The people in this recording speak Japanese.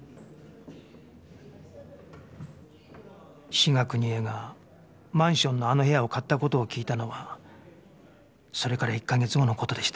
志賀邦枝がマンションのあの部屋を買った事を聞いたのはそれから１か月後の事でした